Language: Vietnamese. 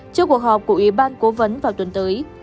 trước cuộc họp của ủy ban cố vấn vào tuần tới